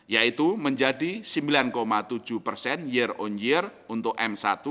yaitu menjadi sembilan tujuh persen year on year untuk m satu